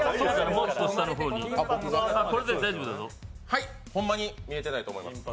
はい、ほんまに見えてないと思います。